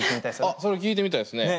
あっそれ聴いてみたいですね。